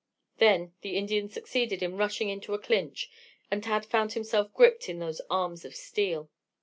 Then the Indian succeeded in rushing into a clinch, and Tad found himself gripped in those arms of steel.